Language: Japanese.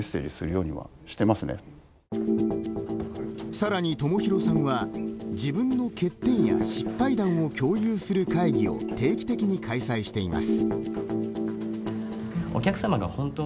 さらに友廣さんは、自分の欠点や失敗談を共有する会議を定期的に開催しています。